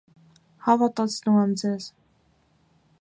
Հավատացնում եմ ձեզ: